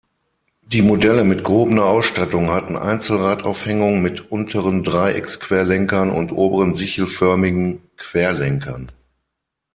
Die Modelle mit gehobener Ausstattung hatten Einzelradaufhängung mit unteren Dreiecksquerlenkern und oberen sichelförmigen Querlenkern.